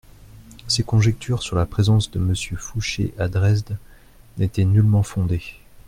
Ces conjectures sur la présence de Monsieur Fouché à Dresde n'étaient nullement fondées.